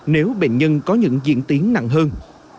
nếu bệnh nhân có những diễn tiến nặng hơn